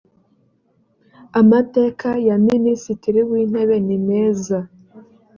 amateka ya minisitiri wintebe ni meza